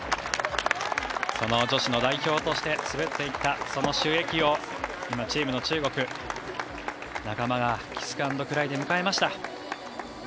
その女子の代表として滑っていったその朱易を今、チームの中国仲間がキスアンドクライで迎えました。